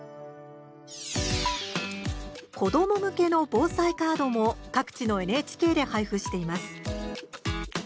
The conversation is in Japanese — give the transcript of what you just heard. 子ども向けの防災カードも各地のＮＨＫで配布しています。